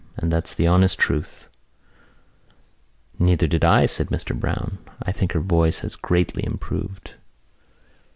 And that's the honest truth." "Neither did I," said Mr Browne. "I think her voice has greatly improved."